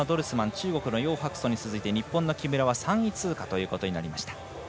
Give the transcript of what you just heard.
中国の楊博尊に続いて日本の木村は３位通過ということになりました。